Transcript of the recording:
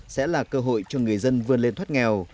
sẽ là cơ hội cho người dân vươn lên thoát nghèo